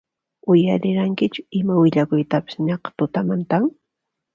Uyarirankichu ima willakuytapis naqha tutamantan?